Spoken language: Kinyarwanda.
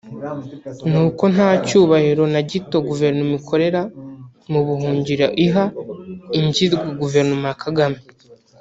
ni uko nta cyubahiro na gito Guverinoma ikorera mu buhungiro iha ingirwa guverinoma ya Kagame